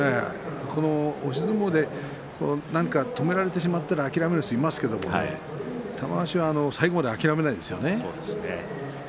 押し相撲で止められてしまったら諦める人いるんですが、玉鷲は最後まで諦めないですよね。